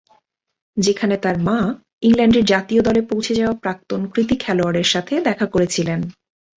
যেখানে তার মা, ইংল্যান্ডের জাতীয় দলে পৌঁছে যাওয়া প্রাক্তন কৃতি খেলোয়াড়ের সাথে দেখা করেছিলেন।